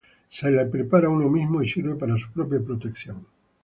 Se la prepara uno mismo y sirve para su propia protección.